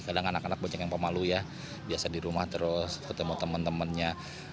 kadang anak anak banyak yang pemalu ya biasa di rumah terus ketemu teman temannya